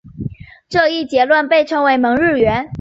这一结论被称为蒙日圆。